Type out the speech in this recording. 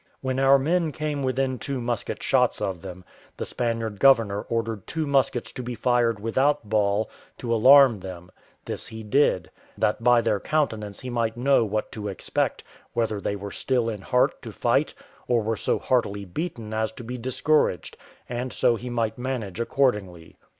When our men came within two musket shots of them, the Spaniard governor ordered two muskets to be fired without ball, to alarm them; this he did, that by their countenance he might know what to expect, whether they were still in heart to fight, or were so heartily beaten as to be discouraged, and so he might manage accordingly.